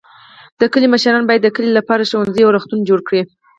د کلي مشران باید د کلي لپاره ښوونځی او روغتون جوړ کړي.